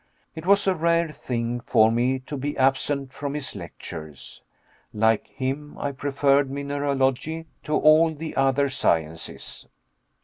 It was a rare thing for me to be absent from his lectures. Like him, I preferred mineralogy to all the other sciences.